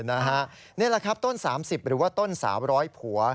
นี่แหละครับต้น๓๐หรือว่าต้น๓๐๐ผัว